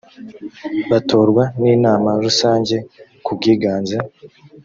batorwa n inama rusange ku bwiganze